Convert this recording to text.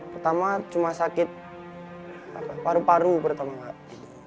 pertama cuma sakit paru paru pertama kak